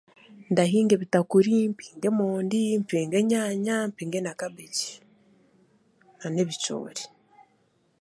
Ndahinga ebitakuri, mpinge emondi, mpinge enyaanya , mpinge na kabegi, n'ebicoori.